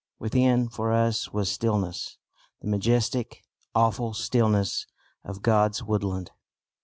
Within for us was stillness the majestic, awful stillness of God's woodland.